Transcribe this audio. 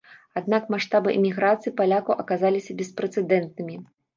Аднак маштабы эміграцыі палякаў аказаліся беспрэцэдэнтнымі.